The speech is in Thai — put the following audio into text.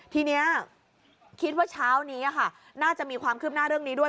ทีนี้คิดว่าเช้านี้น่าจะมีความคืบหน้าเรื่องนี้ด้วย